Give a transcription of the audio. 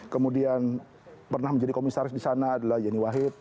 kemudian pernah menjadi komisaris di sana adalah yeni wahid